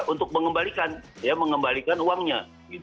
untuk mengembalikan uangnya